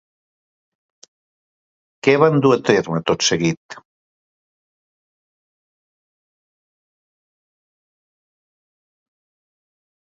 Què van dur a terme tot seguit?